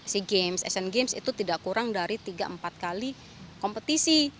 sea games asian games itu tidak kurang dari tiga empat kali kompetisi